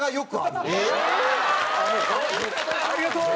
ありがとう！